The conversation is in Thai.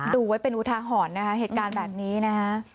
ดูไว้เป็นอุทาหรณ์นะคะเหตุการณ์แบบนี้นะฮะ